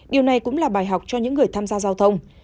điều này cũng là bài học cho những người tham gia giao thông